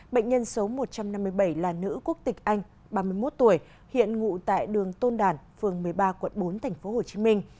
bệnh nhân số một trăm năm mươi bảy là nữ quốc tịch anh ba mươi một tuổi hiện ngụ tại đường tôn đản phường một mươi ba quận bốn thành phố hồ chí minh